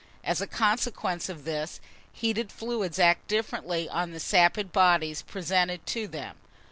As a consequence of this, heated fluids act differently on the sapid bodies presented to them.